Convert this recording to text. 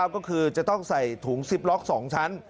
ก็คือจะต้องใส่ถุงซิปล็อก๒ชั้น